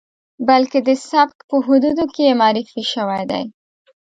بلکې د سبک په حدودو کې معرفي شوی دی.